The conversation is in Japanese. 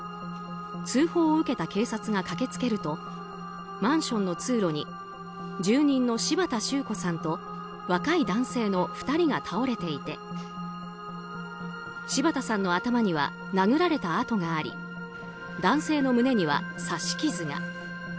通報を受けた警察が駆け付けるとマンションの通路に住人の柴田周子さんと若い男性の２人が倒れていて柴田さんの頭には殴られた痕があり男性の胸には刺し傷が。